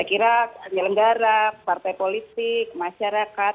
saya kira penyelenggara partai politik masyarakat